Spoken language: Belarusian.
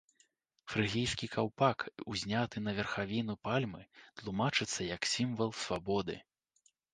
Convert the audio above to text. Фрыгійскі каўпак, узняты на верхавіну пальмы, тлумачыцца як сімвал свабоды.